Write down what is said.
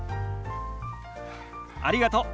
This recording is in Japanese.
ありがとう。